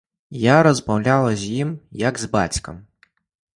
Я размаўляла з ім як з бацькам.